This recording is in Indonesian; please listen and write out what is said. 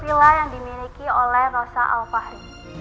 villa yang dimiliki oleh rosa al fahri